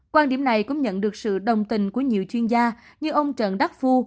quan điểm này cũng nhận được sự đồng tình của nhiều chuyên gia như ông trần đắc phu